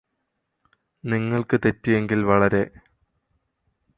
നിങ്ങള്ക്ക് തെറ്റിയെങ്കില് വളരെ